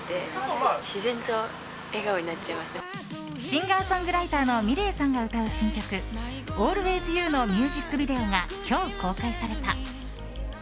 シンガーソングライターのｍｉｌｅｔさんが歌う新曲「ＡｌｗａｙｓＹｏｕ」のミュージックビデオが今日、公開された。